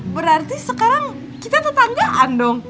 berarti sekarang kita tetanggaan dong